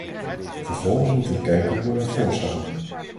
Vervolgens moeten we kijken hoe we ervoor staan.